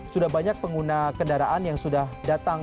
sudah banyak pengguna kendaraan yang sudah datang